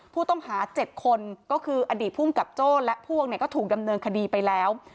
ผู้ต้องหา๗คนก็คืออดีตภูมิกับโจ้และพวกเนี่ยก็ถูกดำเนินคดีไปแล้ว